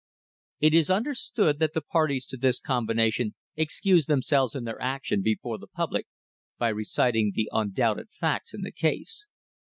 It is understood that the parties to this combination excuse themselves and their action before the public by reciting the undoubted facts in the case.